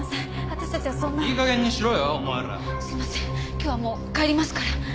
今日はもう帰りますから。